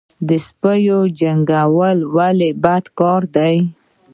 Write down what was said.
سپي جنګول ولې بد کار دی؟